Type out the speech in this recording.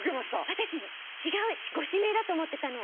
私違うご指名だと思ってたの。